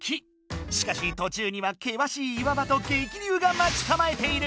しかしとちゅうには険しい岩場と激流がまちかまえている！